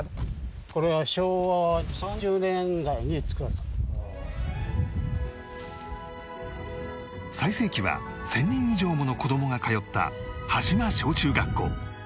これが最盛期は１０００人以上もの子供が通った端島小中学校